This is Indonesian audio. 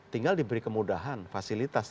tinggal diberi kemudahan fasilitas